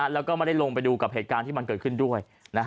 แล้วก็ไม่ได้ลงไปดูกับเหตุการณ์ที่มันเกิดขึ้นด้วย